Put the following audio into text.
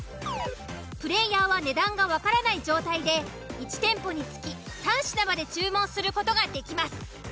プレイヤーは値段がわからない状態で１店舗につき３品まで注文する事ができます。